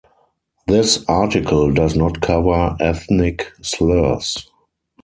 This article does not cover ethnic slurs.